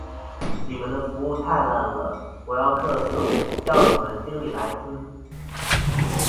你們的服務太爛了，我要客訴，叫你們經理來聽。